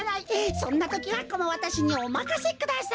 そんなときはこのわたしにおまかせください。